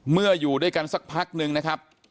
อยู่ด้วยกันสักพักนึงนะครับ